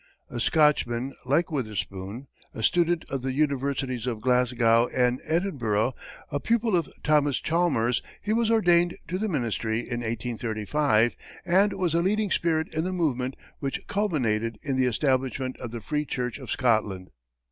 A Scotchman, like Witherspoon, a student of the Universities of Glasgow and Edinburgh, a pupil of Thomas Chalmers, he was ordained to the ministry in 1835, and was a leading spirit in the movement which culminated in the establishment of the Free Church of Scotland.